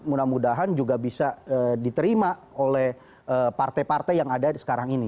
mudah mudahan juga bisa diterima oleh partai partai yang ada sekarang ini